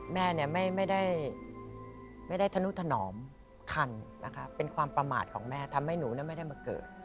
แม่ไม่ได้ธนุถนอมคันนะคะเป็นความประมาทของแม่ทำให้หนูไม่ได้มาเกิด